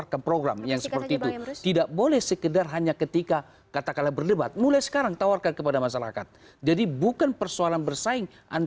jangan beli kucing dalam karung